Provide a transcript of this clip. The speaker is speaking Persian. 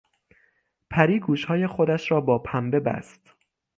پری گوشهای خودش را با پنبه بست.